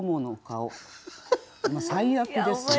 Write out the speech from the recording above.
最悪ですね。